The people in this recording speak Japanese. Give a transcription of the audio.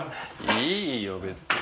いいよ別に。